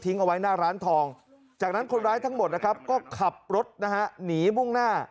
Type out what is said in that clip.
ทิ้งเอาไว้หน้าร้านทองจากนั้นคนร้ายทั้งหมดก็ขับรถหนีมุ่งหน้า